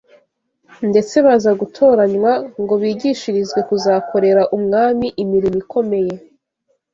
ndetse baza gutoranywa ngo bigishirizwe kuzakorera umwami imirimo ikomeye